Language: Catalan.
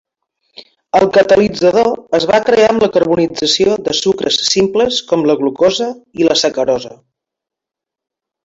El catalitzador es va crear amb la carbonització de sucres simples com la glucosa i la sacarosa.